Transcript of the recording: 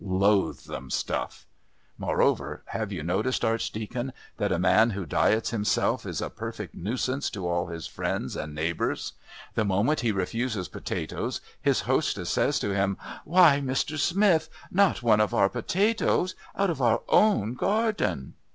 Loathsome stuff. Moreover, have you noticed, Archdeacon, that a man who diets himself is a perfect nuisance to all his friends and neighbours? The moment he refuses potatoes his hostess says to him, 'Why, Mr. Smith, not one of our potatoes! Out of our own garden!'